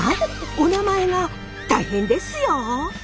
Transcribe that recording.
おなまえが大変ですよ！